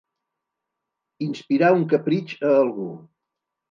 Inspirar un capritx a algú.